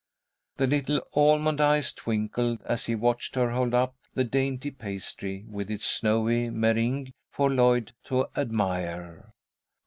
The little almond eyes twinkled, as he watched her hold up the dainty pastry with its snowy meringue for Lloyd to admire.